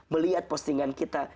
melihat postingan kita